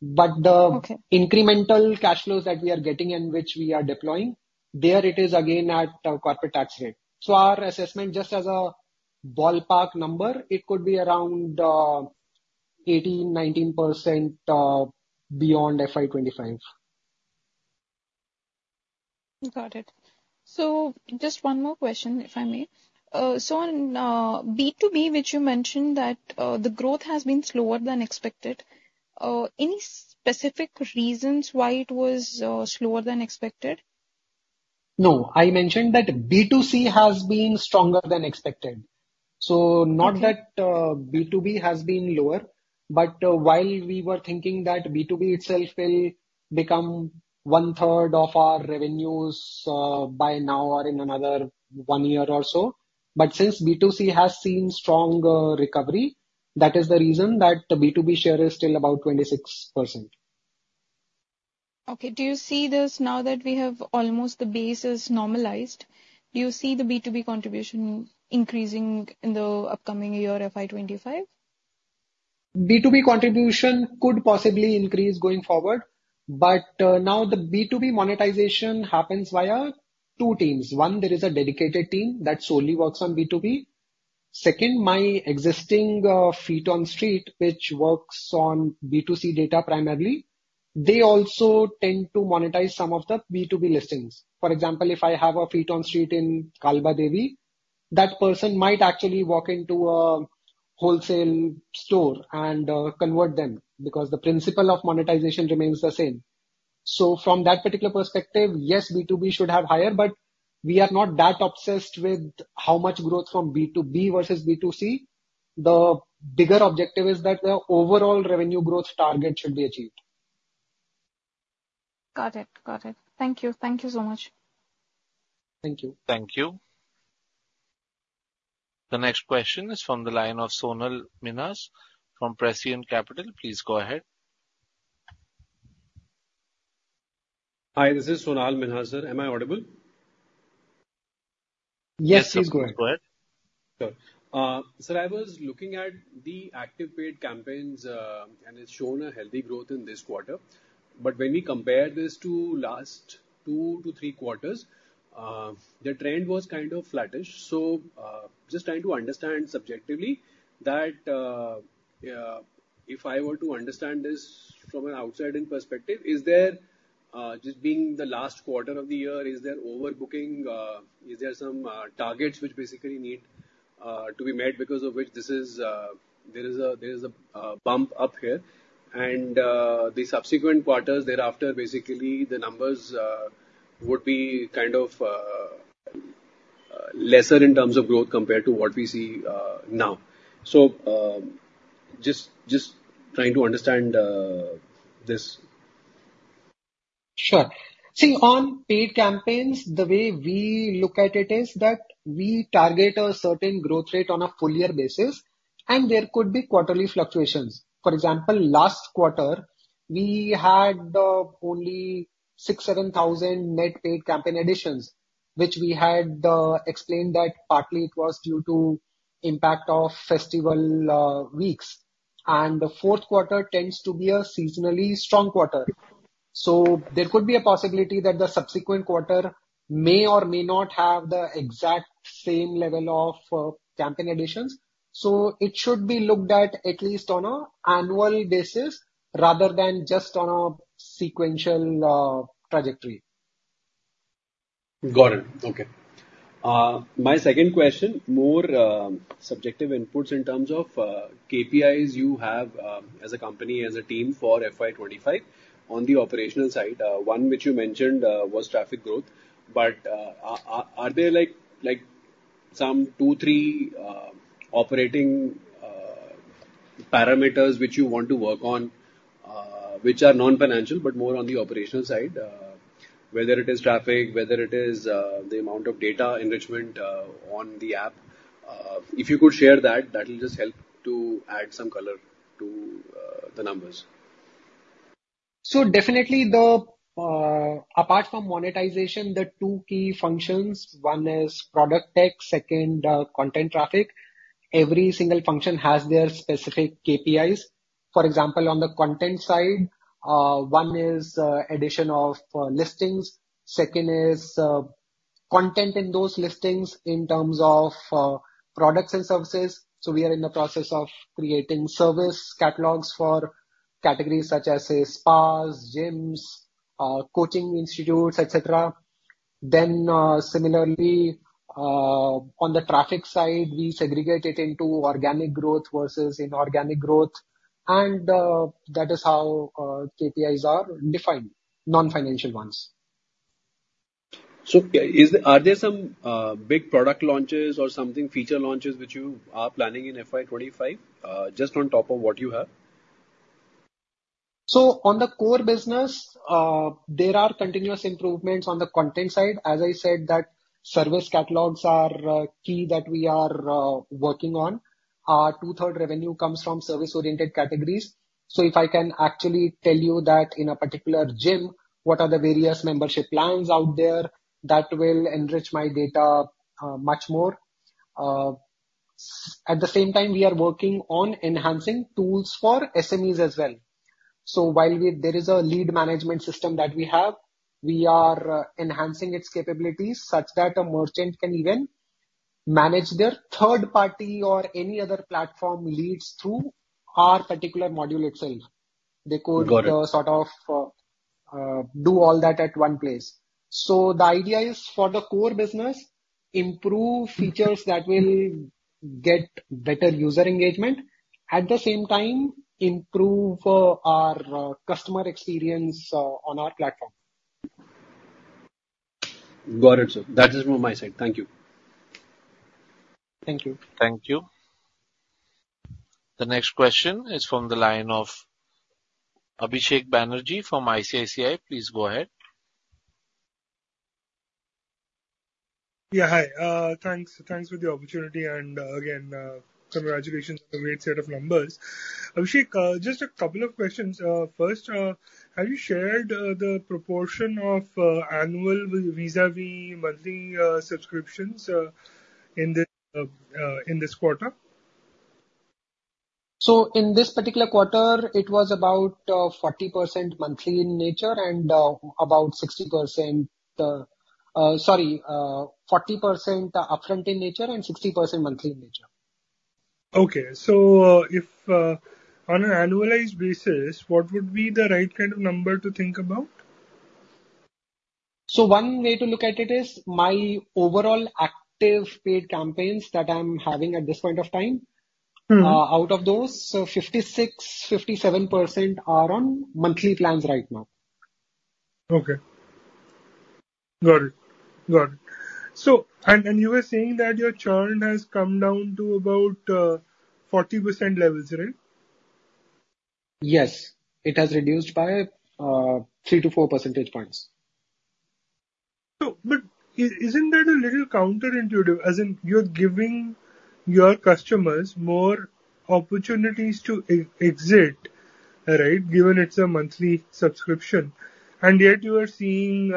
But the incremental cash flows that we are getting and which we are deploying, there, it is again at a corporate tax rate. So our assessment, just as a ballpark number, it could be around 18%-19% beyond FY25. Got it. Just one more question, if I may. On B2B, which you mentioned that the growth has been slower than expected, any specific reasons why it was slower than expected? No, I mentioned that B2C has been stronger than expected. So not that B2B has been lower, but while we were thinking that B2B itself will become 1/3 of our revenues by now or in another one year or so, but since B2C has seen strong recovery, that is the reason that the B2B share is still about 26%. Okay. Do you see this now that we have almost the base is normalized, do you see the B2B contribution increasing in the upcoming year, FY25? B2B contribution could possibly increase going forward. But now, the B2B monetization happens via two teams. One, there is a dedicated team that solely works on B2B. Second, my existing feet on street, which works on B2C data primarily, they also tend to monetize some of the B2B listings. For example, if I have a feet on street in Kalbadevi, that person might actually walk into a wholesale store and convert them because the principle of monetization remains the same. So from that particular perspective, yes, B2B should have higher, but we are not that obsessed with how much growth from B2B versus B2C. The bigger objective is that the overall revenue growth target should be achieved. Got it. Got it. Thank you. Thank you so much. Thank you. Thank you. The next question is from the line of Sonal Minhas from Prescient Capital. Please go ahead. Hi, this is Sonal Minhas, sir. Am I audible? <crosstalk> Yes, please go ahead. Sure. Sir, I was looking at the active paid campaigns, and it's shown a healthy growth in this quarter. But when we compare this to last two to three quarters, the trend was kind of flattish. So just trying to understand subjectively that if I were to understand this from an outside-in perspective, is there just being the last quarter of the year, is there overbooking? Is there some targets which basically need to be met because of which there is a bump up here? And the subsequent quarters thereafter, basically, the numbers would be kind of lesser in terms of growth compared to what we see now. So just trying to understand this. Sure. See, on paid campaigns, the way we look at it is that we target a certain growth rate on a full-year basis, and there could be quarterly fluctuations. For example, last quarter, we had only 6,000 to 7,000 net paid campaign additions, which we had explained that partly it was due to the impact of festival weeks. The Q4 tends to be a seasonally strong quarter. So there could be a possibility that the subsequent quarter may or may not have the exact same level of campaign additions. It should be looked at at least on an annual basis rather than just on a sequential trajectory. Got it. Okay. My second question, more subjective inputs in terms of KPIs you have as a company, as a team for FY25 on the operational side, one which you mentioned was traffic growth. But are there some two, three operating parameters which you want to work on which are non-financial but more on the operational side, whether it is traffic, whether it is the amount of data enrichment on the app? If you could share that, that will just help to add some color to the numbers. So, definitely, apart from monetization, the two key functions, one is product tech, second, content, traffic. Every single function has their specific KPIs. For example, on the content side, one is the addition of listings. Second is content in those listings in terms of products and services. So, we are in the process of creating service catalogs for categories such as spas, gyms, coaching institutes, etc. Then, similarly, on the traffic side, we segregate it into organic growth versus inorganic growth. That is how KPIs are defined, non-financial ones. So are there some big product launches or something feature launches which you are planning in FY25, just on top of what you have? So on the core business, there are continuous improvements on the content side. As I said, that service catalogs are key that we are working on. Two-thirds of revenue comes from service-oriented categories. So if I can actually tell you that in a particular gym, what are the various membership plans out there, that will enrich my data much more. At the same time, we are working on enhancing tools for SMEs as well. So while there is a lead management system that we have, we are enhancing its capabilities such that a merchant can even manage their third-party or any other platform leads through our particular module itself. They could sort of do all that at one place. So the idea is for the core business, improve features that will get better user engagement, at the same time, improve our customer experience on our platform. Got it, sir. That is from my side. Thank you. Thank you. Thank you. The next question is from the line of Abhishek Banerjee from ICICI. Please go ahead. Yeah, hi. Thanks for the opportunity. Again, congratulations on the great set of numbers. Abhishek, just a couple of questions. First, have you shared the proportion of annual vis-à-vis monthly subscriptions in this quarter? In this particular quarter, it was about 40% monthly in nature and about 60% sorry, 40% upfront in nature and 60% monthly in nature. Okay. So on an annualized basis, what would be the right kind of number to think about? One way to look at it is my overall active paid campaigns that I'm having at this point of time. Out of those, 56% to 57% are on monthly plans right now. Got it. And you were saying that your churn has come down to about 40% levels, right? Yes. It has reduced by 3% to 4% points. But isn't that a little counterintuitive? As in, you're giving your customers more opportunities to exit, right, given it's a monthly subscription. And yet, you are seeing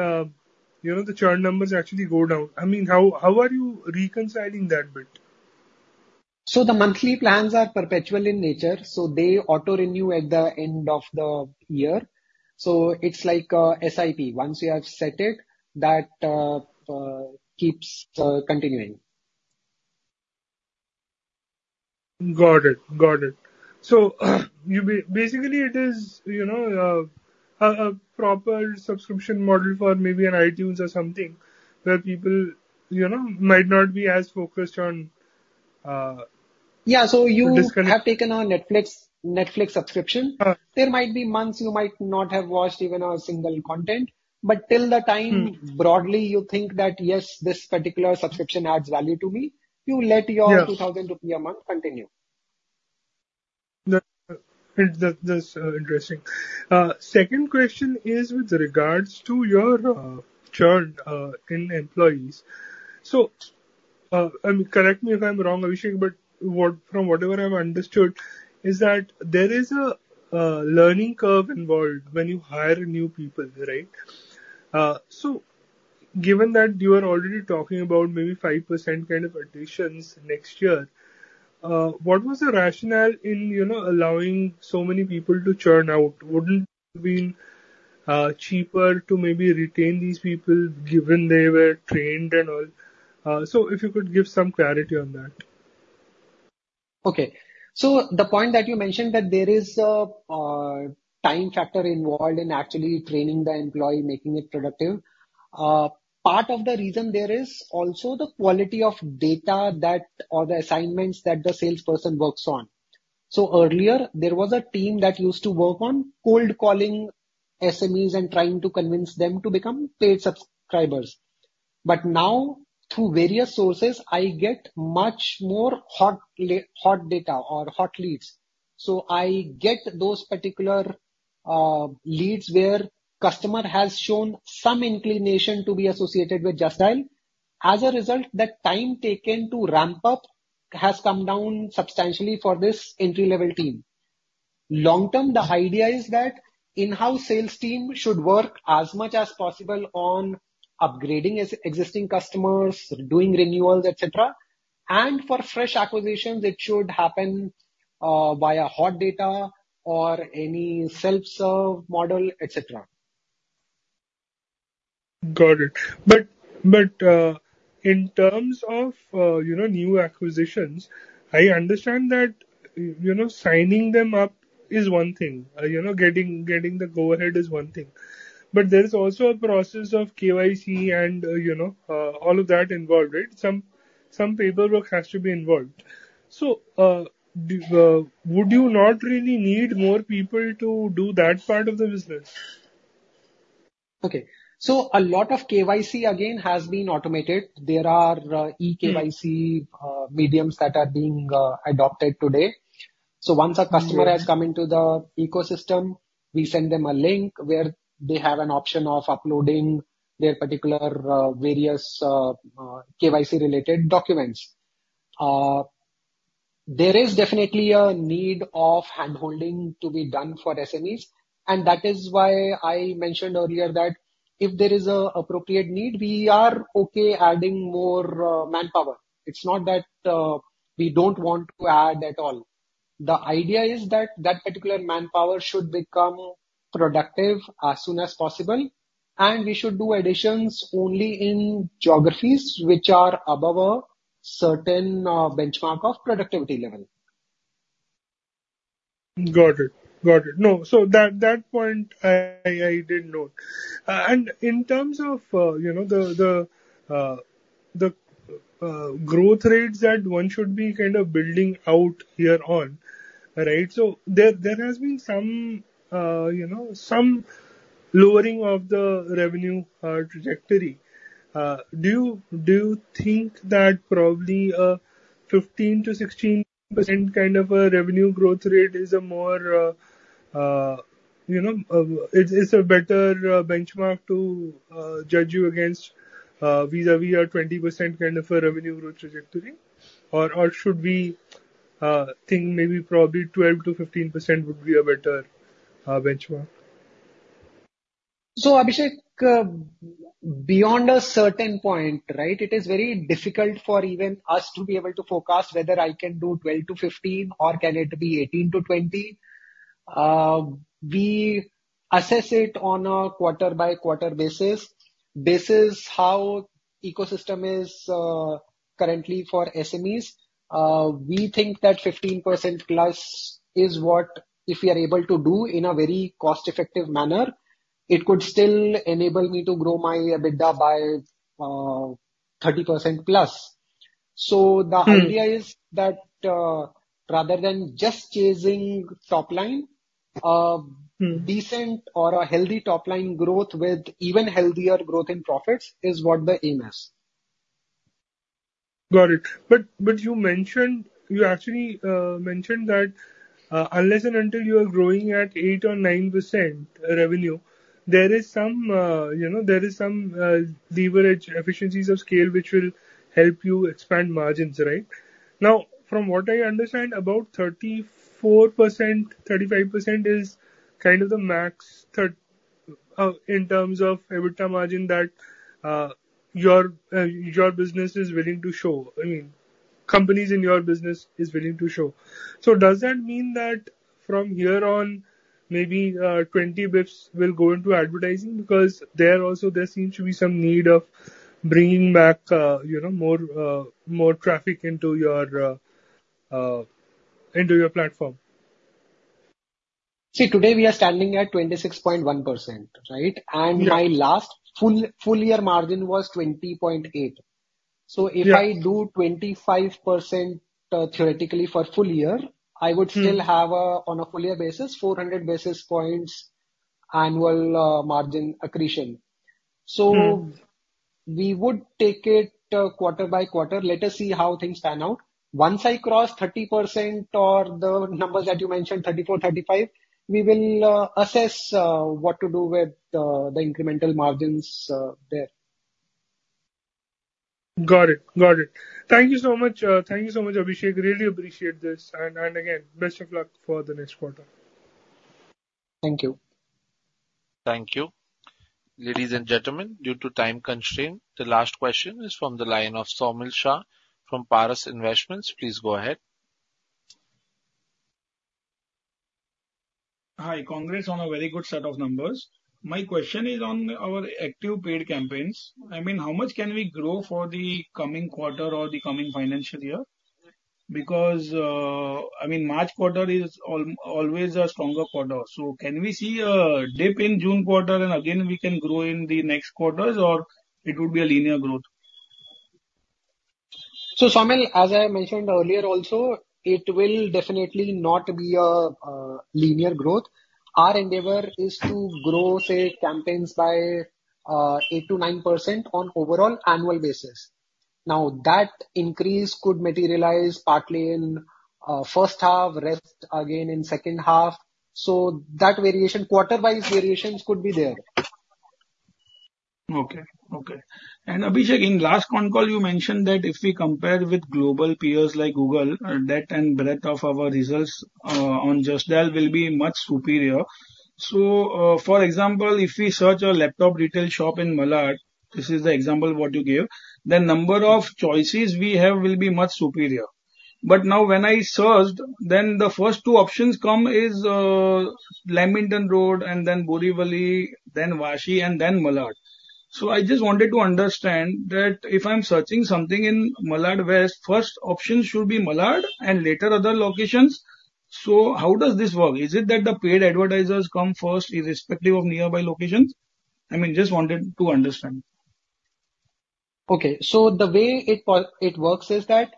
the churn numbers actually go down. I mean, how are you reconciling that bit? So the monthly plans are perpetual in nature. So they auto-renew at the end of the year. So it's like an SIP. Once you have set it, that keeps continuing. Got it. So basically, it is a proper subscription model for maybe an iTunes or something where people might not be as focused on the disconnect. Yeah. So you have taken a Netflix subscription. There might be months you might not have watched even a single content. But till the time, broadly, you think that, "Yes, this particular subscription adds value to me," you let your 2,000 rupee a month continue. That's interesting. Second question is with regards to your churn in employees. So I mean, correct me if I'm wrong, Abhishek, but from whatever I've understood, is that there is a learning curve involved when you hire new people, right? So given that you are already talking about maybe 5% kind of additions next year, what was the rationale in allowing so many people to churn out? Wouldn't it have been cheaper to maybe retain these people given they were trained and all? So if you could give some clarity on that. Okay. So the point that you mentioned, that there is a time factor involved in actually training the employee, making it productive. Part of the reason there is also the quality of data or the assignments that the salesperson works on. So earlier, there was a team that used to work on cold-calling SMEs and trying to convince them to become paid subscribers. But now, through various sources, I get much more hot data or hot leads. So I get those particular leads where the customer has shown some inclination to be associated with Just Dial. As a result, the time taken to ramp up has come down substantially for this entry-level team. Long term, the idea is that the in-house sales team should work as much as possible on upgrading existing customers, doing renewals, etc. And for fresh acquisitions, it should happen via hot data or any self-serve model, etc. Got it. But in terms of new acquisitions, I understand that signing them up is one thing. Getting the go-ahead is one thing. But there is also a process of KYC and all of that involved, right? Some paperwork has to be involved. So would you not really need more people to do that part of the business? Okay. So a lot of KYC, again, has been automated. There are e-KYC mediums that are being adopted today. So once a customer has come into the ecosystem, we send them a link where they have an option of uploading their particular various KYC-related documents. There is definitely a need for hand-holding to be done for SMEs. And that is why I mentioned earlier that if there is an appropriate need, we are okay adding more manpower. It's not that we don't want to add at all. The idea is that that particular manpower should become productive as soon as possible. And we should do additions only in geographies which are above a certain benchmark of productivity level. Got it. So that point, I did note. And in terms of the growth rates that one should be kind of building out hereon, right, so there has been some lowering of the revenue trajectory. Do you think that probably a 15% to 16% kind of a revenue growth rate is a more it's a better benchmark to judge you against vis-à-vis a 20% kind of a revenue growth trajectory? Or should we think maybe probably 12% to 15% would be a better benchmark? So Abhishek, beyond a certain point, right, it is very difficult for even us to be able to forecast whether I can do 12 to 15 or can it be 18 to 20. We assess it on a quarter-by-quarter basis based on how the ecosystem is currently for SMEs. We think that 15%+ is what if we are able to do in a very cost-effective manner, it could still enable me to grow my EBITDA by 30%+. So the idea is that rather than just chasing top line, decent or healthy top line growth with even healthier growth in profits is what the aim is. Got it. But you actually mentioned that unless and until you are growing at 8% or 9% revenue, there is some leverage, efficiencies of scale which will help you expand margins, right? Now, from what I understand, about 34%, 35% is kind of the max in terms of EBITDA margin that your business is willing to show. I mean, companies in your business are willing to show. So does that mean that from hereon, maybe 20 basis points will go into advertising because there seems to be some need of bringing back more traffic into your platform? See, today, we are standing at 26.1%, right? And my last full-year margin was 20.8. So if I do 25% theoretically for a full year, I would still have, on a full-year basis, 400 basis points annual margin accretion. So we would take it quarter by quarter. Let us see how things pan out. Once I cross 30% or the numbers that you mentioned, 34, 35, we will assess what to do with the incremental margins there. Got it. Thank you so much. Abhishek. Really appreciate this. Again, best of luck for the next quarter. Thank you. Thank you. Ladies and gentlemen, due to time constraint, the last question is from the line of Saumil Shah from Paras Investments. Please go ahead. Hi. Congrats on a very good set of numbers. My question is on our active paid campaigns. I mean, how much can we grow for the coming quarter or the coming financial year? Because I mean, March quarter is always a stronger quarter. So can we see a dip in June quarter, and again, we can grow in the next quarters, or it would be a linear growth? Saumil, as I mentioned earlier also, it will definitely not be a linear growth. Our endeavor is to grow, say, campaigns by 8% to 9% on an overall annual basis. Now, that increase could materialize partly in the first half, rest again in the second half. So that quarter-wise variation could be there. Okay. And Abhishek, in the last phone call, you mentioned that if we compare with global peers like Google, the depth and breadth of our results on Just Dial will be much superior. So for example, if we search a laptop retail shop in Malad (this is the example what you gave), then the number of choices we have will be much superior. But now, when I searched, then the first two options come as Lamington Road, and then Borivali, then Vashi, and then Malad. So I just wanted to understand that if I'm searching something in Malad West, the first option should be Malad and later other locations. So how does this work? Is it that the paid advertisers come first, irrespective of nearby locations? I mean, I just wanted to understand. So the way it works is that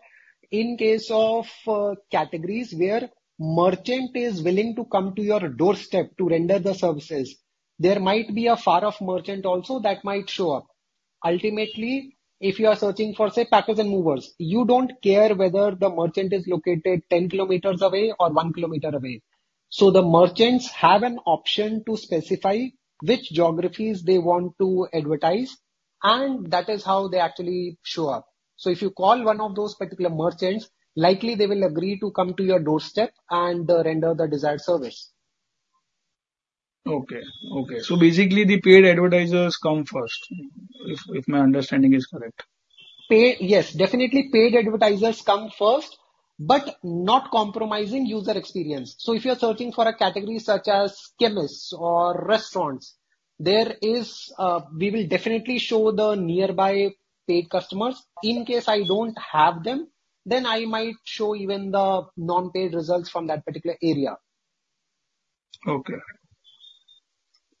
in case of categories where a merchant is willing to come to your doorstep to render the services, there might be a far-off merchant also that might show up. Ultimately, if you are searching for, say, packers and movers, you don't care whether the merchant is located 10 kilometers away or 1 kilometer away. So the merchants have an option to specify which geographies they want to advertise, and that is how they actually show up. So if you call one of those particular merchants, likely, they will agree to come to your doorstep and render the desired service. So basically, the paid advertisers come first, if my understanding is correct? Yes, definitely, paid advertisers come first, but not compromising user experience. So if you're searching for a category such as chemists or restaurants, we will definitely show the nearby paid customers. In case I don't have them, then I might show even the non-paid results from that particular area.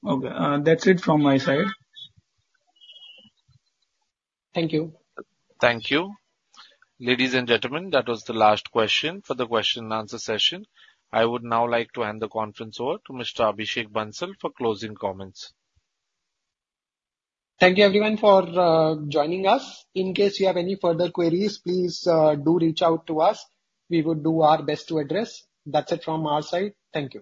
Okay. That's it from my side. Thank you. Thank you. Ladies and gentlemen, that was the last question for the question-and-answer session. I would now like to hand the conference over to Mr. Abhishek Bansal for closing comments. Thank you, everyone, for joining us. In case you have any further queries, please do reach out to us. We would do our best to address. That's it from our side. Thank you.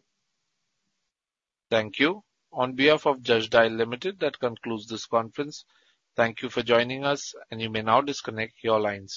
Thank you. On behalf of Just Dial Limited, that concludes this conference. Thank you for joining us, and you may now disconnect your lines.